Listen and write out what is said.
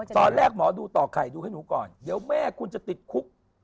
ตอนแรกหมอดูต่อไข่ดูให้หนูก่อนเดี๋ยวแม่คุณจะติดคุก